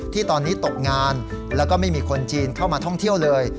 ที่ตอนนี้ตกงานแล้วก็ไม่มีคนจีนเข้ามาท่องเที่ยวเลย